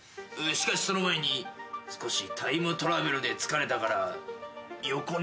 しかしその前に少しタイムトラベルで疲れたから横になってもいいか？